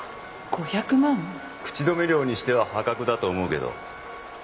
口止め料にしては破格だと思うけど。